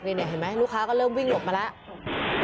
นี่เห็นไหมลูกค้าก็เริ่มวิ่งหลบมาแล้ว